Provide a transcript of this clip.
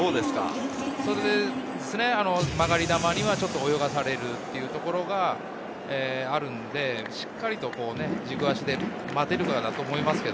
それで曲がり球にはちょっと泳がされるというところがあるんで、しっかり軸足で待てるかどうかだと思います。